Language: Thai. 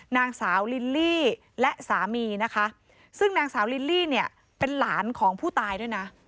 นางสาวลิลลี่และสามีนะคะซึ่งนางสาวลิลลี่เนี่ยเป็นหลานของผู้ตายด้วยนะ